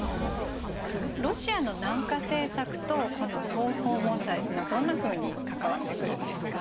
ロシアの南下政策とこの東方問題っていうのはどんなふうに関わってくるんですか？